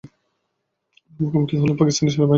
তারা মুখোমুখি হলেন পাকিস্তান সেনাবাহিনীর।